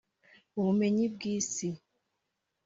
ubumenyi bw’isi